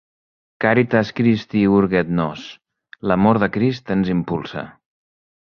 "Caritas Christi Urget Nos": L'amor de Crist ens impulsa.